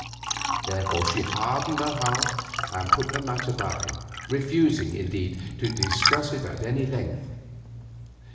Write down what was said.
Therefore she hardened her heart and put the matter by, refusing, indeed, to discuss it at any length.